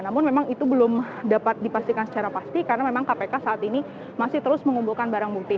namun memang itu belum dapat dipastikan secara pasti karena memang kpk saat ini masih terus mengumpulkan barang bukti